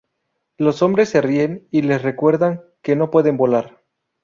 Los hombres se ríen y les recuerdan que no pueden volar.